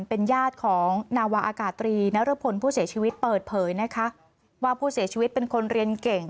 เป็นญาติของนาวาอากาศตรีนรพลผู้เสียชีวิตเปิดเผยนะคะว่าผู้เสียชีวิตเป็นคนเรียนเก่ง